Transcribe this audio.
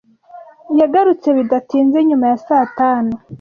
Yagarutse bidatinze nyuma ya saa tanu.